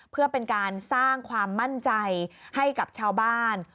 เพื่อเป็นการสร้างความมั่นใจให้กับชาวบ้าน